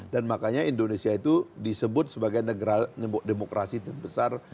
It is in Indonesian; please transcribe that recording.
dan makanya indonesia itu disebut sebagai negara demokrasi terbesar